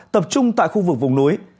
tập trung tại khu vực vùng núi